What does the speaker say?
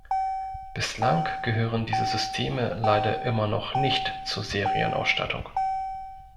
Bislang gehören diese Systeme leider immer noch nicht zur Serienausstattung.